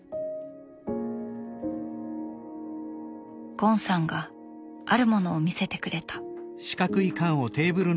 ゴンさんがあるものを見せてくれた。